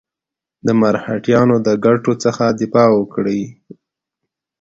د مرهټیانو د ګټو څخه دفاع وکړي.